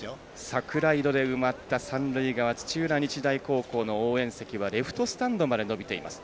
桜色で埋まった三塁側土浦日大高校の応援席はレフトスタンドまで延びています。